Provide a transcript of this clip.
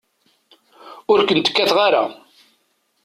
Ur kent-kkateɣ ara.